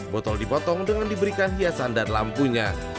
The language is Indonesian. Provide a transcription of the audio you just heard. botol dipotong dengan diberikan hiasan dan lampunya